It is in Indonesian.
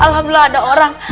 alhamdulillah ada orang